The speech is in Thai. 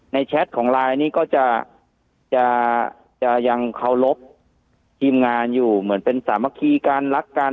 แชทของไลน์นี้ก็จะยังเคารพทีมงานอยู่เหมือนเป็นสามัคคีกันรักกัน